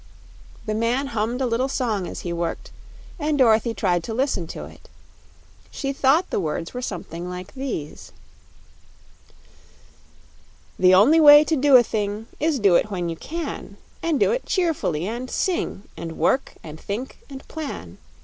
The man hummed a little song as he worked, and Dorothy tried to listen to it. She thought the words were something like these: The only way to do a thing Is do it when you can, And do it cheerfully, and sing And work and think and plan.